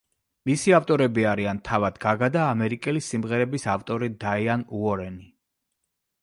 მისი ავტორები არიან თავად გაგა და ამერიკელი სიმღერების ავტორი დაიან უორენი.